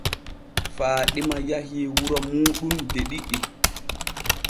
Faaɗima yahii wuro muuɗum de ɗiɗi.